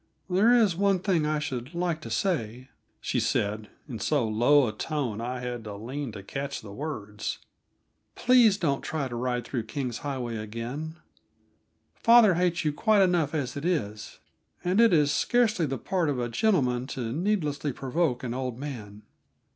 "There is one thing I should like to say," she said, in so low a tone I had to lean to catch the words. "Please don't try to ride through King's Highway again; father hates you quite enough as it is, and it is scarcely the part of a gentleman to needlessly provoke an old man."